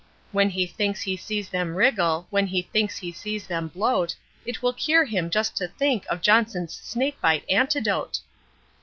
When he thinks he sees them wriggle, when he thinks he sees them bloat, It will cure him just to think of Johnson's Snakebite Antidote.'